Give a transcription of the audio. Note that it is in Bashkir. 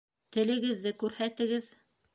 Телегеҙҙе күрһәтегеҙ